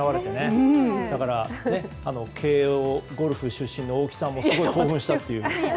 だから、慶應ゴルフ出身の大木さんもすごく興奮したという。